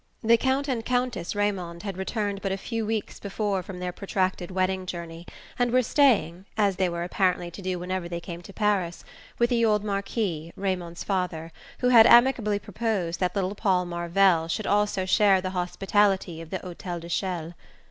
The Count and Countess Raymond had returned but a few weeks before from their protracted wedding journey, and were staying as they were apparently to do whenever they came to Paris with the old Marquis, Raymond's father, who had amicably proposed that little Paul Marvell should also share the hospitality of the Hotel de Chelles.